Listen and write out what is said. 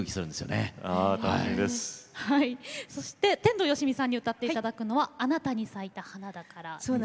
天童よしみさんに歌っていただくのは「あなたに咲いた花だから」。